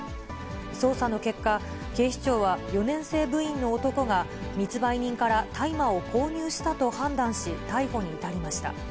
捜査の結果、警視庁は４年生部員の男が、密売人から大麻を購入したと判断し、逮捕に至りました。